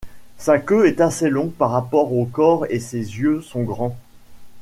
Sa queue est assez longue par rapport au corps et ses yeux sont grands.